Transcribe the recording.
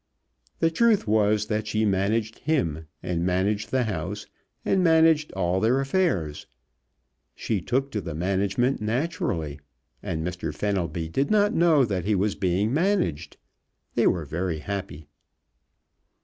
The truth was that she managed him, and managed the house, and managed all their affairs. She took to the management naturally and Mr. Fenelby did not know that he was being managed. They were very happy.